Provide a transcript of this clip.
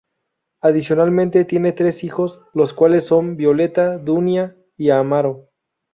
Adicionalmente tiene tres hijos los cuales son Violeta, Dunia y Amaro.